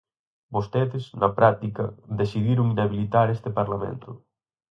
Vostedes, na práctica, decidiron inhabilitar este Parlamento.